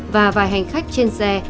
và vài hành khách trên xe